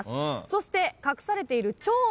そして隠されている超難問。